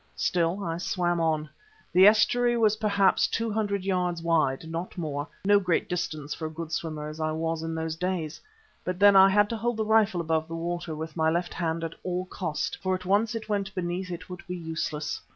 Still I swam on. The estuary was perhaps two hundred yards wide, not more, no great distance for a good swimmer as I was in those days. But then I had to hold the rifle above the water with my left hand at all cost, for if once it went beneath it would be useless.